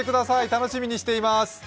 楽しみにしています。